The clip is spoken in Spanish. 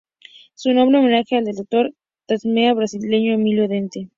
Su nombre homenajea al colector y taxidermista brasileño Emilio Dente.